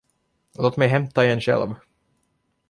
Låt mig hämta en själv!